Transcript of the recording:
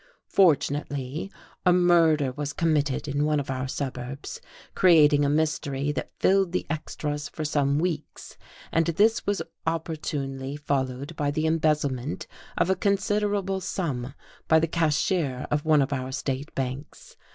Fortunately, a murder was committed in one of our suburbs, creating a mystery that filled the "extras" for some weeks, and this was opportunely followed by the embezzlement of a considerable sum by the cashier of one of our state banks.